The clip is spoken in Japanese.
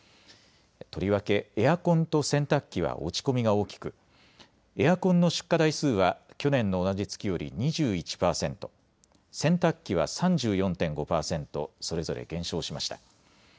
とりわけエアコンと洗濯機は落ち込みが大きくエアコンの出荷台数は去年の同じ月より２１％、洗濯機は３４．５％それぞれ減少しました。